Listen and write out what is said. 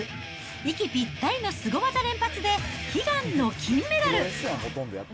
息ぴったりのスゴ技連発で、悲願の金メダル。